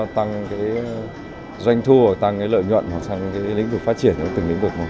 tăng doanh thu tăng lợi nhuận tăng lĩnh vực phát triển từ từng lĩnh vực